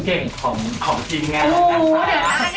ดีที่ป้องปลับมาสวัสดีไหมนะครับ